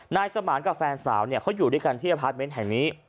นายสมานกับแฟนสาวเนี่ยเขาอยู่ด้วยกันที่อพาร์ทเมนต์แห่งนี้